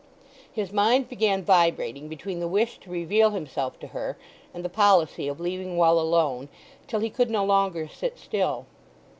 His mind began vibrating between the wish to reveal himself to her and the policy of leaving well alone, till he could no longer sit still.